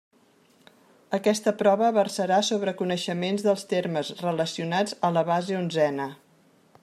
Aquesta prova versarà sobre coneixements dels temes relacionats a la base onzena.